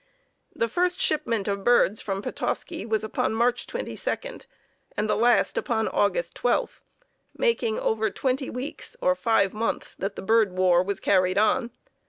The first shipment of birds from Petoskey was upon March 22, and the last upon August 12, making over twenty weeks, or five months, that the bird war was carried on.